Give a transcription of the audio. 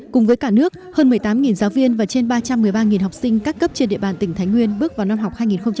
cùng với cả nước hơn một mươi tám giáo viên và trên ba trăm một mươi ba học sinh các cấp trên địa bàn tỉnh thái nguyên bước vào năm học hai nghìn hai mươi hai nghìn hai mươi